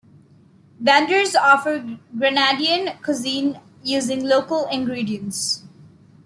Vendors offer Grenadian cuisine using local ingredients.